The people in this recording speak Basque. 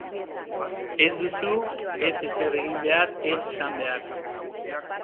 Ez duzu ez ezer egin behar ez esan behar.